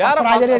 astaga dia diarak